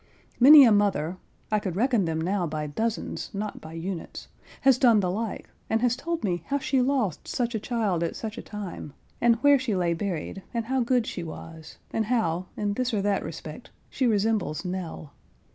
Many a mother—I could reckon them now by dozens, not by units—has done the like, and has told me how she lost such a child at such a time, and where she lay buried, and how good she was, and how, in this or that respect, she resembles Nell.